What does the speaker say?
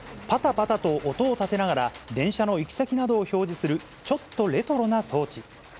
パタパタと音を立てながら、電車の行き先などを表示する、ちょっとレトロな装置。